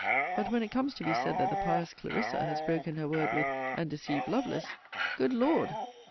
But when it comes to be said that the pious Clarissa has broken her word with and deceived Lovelace; Good Lord!